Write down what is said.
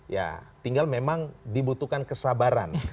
ya tinggal memang dibutuhkan kesabaran